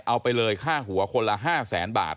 เอาไปเลยค่าหัวคนละ๕แสนบาท